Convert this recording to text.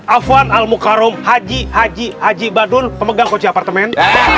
afwan al mukallam haji haji haji padun pemegang koci apartemen